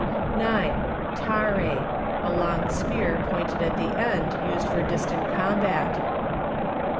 1 (9.) Tare, a long spear pointed at the end, used for distant combat.